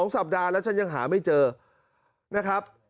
สัปดาห์แล้วฉันยังหาไม่เจอนะครับ